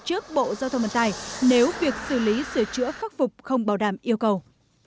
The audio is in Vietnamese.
trước bộ giao thông vận tải nếu việc xử lý sửa chữa khắc phục không bảo đảm yêu cầu